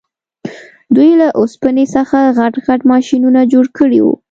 دوی له اوسپنې څخه غټ غټ ماشینونه جوړ کړي وو